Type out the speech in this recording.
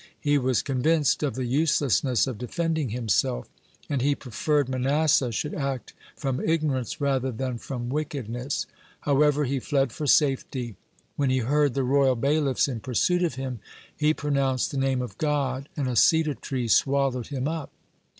He was convinced of the uselessness of defending himself, and he preferred Manasseh should act from ignorance rather than from wickedness. However, he fled for safety. When he heard the royal bailiffs in pursuit of him, he pronounced the Name of God, and a cedar tree swallowed him up.